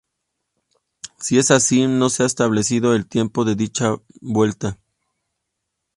Si es así, no se ha establecido el tiempo de dicha vuelta.